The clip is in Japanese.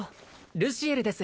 ルシエルです